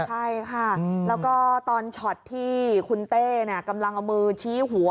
ใช่ค่ะแล้วก็ตอนช็อตที่คุณเต้กำลังเอามือชี้หัว